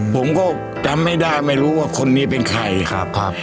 ผมก็จำไม่ได้ไม่รู้ว่าคนนี้เป็นใครครับ